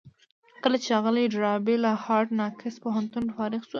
کله چې ښاغلی ډاربي له هارډ ناکس پوهنتونه فارغ شو.